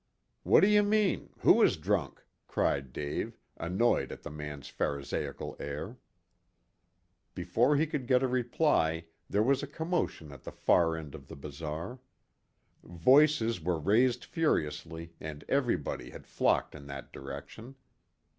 "What do you mean? Who is drunk?" cried Dave, annoyed at the man's Pharisaical air. Before he could get a reply there was a commotion at the far end of the bazaar. Voices were raised furiously, and everybody had flocked in that direction.